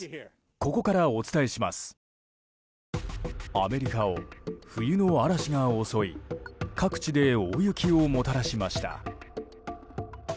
アメリカを冬の嵐が襲い各地で大雪をもたらしました。